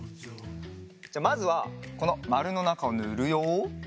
じゃあまずはこのまるのなかをぬるよ。